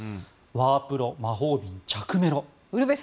ワープロ、魔法瓶、着メロ。